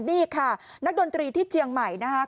นี่ค่ะนักดนตรีที่เจียงใหม่นะคะ